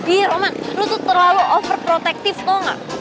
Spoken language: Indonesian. iya roman lo tuh terlalu overprotective tau gak